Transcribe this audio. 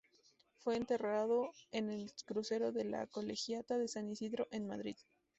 Fue enterrado en el crucero de la Colegiata de San Isidro, en Madrid.